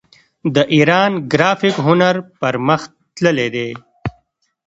د ایران ګرافیک هنر پرمختللی دی.